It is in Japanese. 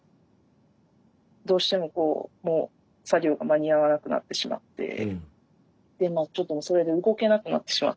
どうしても作業が間に合わなくなってしまってでまあちょっともうそれで動けなくなってしまって。